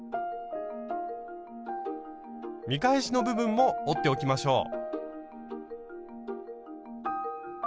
見返しの部分も折っておきましょう。